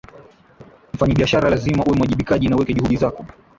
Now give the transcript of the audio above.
mfanyabiashara lazima uwe muajibikaji na uweke juhudi zako